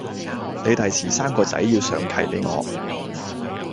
你第時生個仔要上契畀我